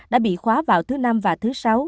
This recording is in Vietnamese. đã bị khóa vào thứ năm và thứ bảy